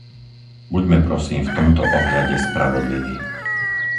Buďme prosím v tomto ohľade spravodliví.